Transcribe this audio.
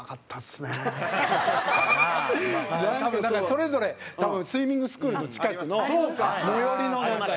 それぞれ多分スイミングスクールの近くの最寄りの。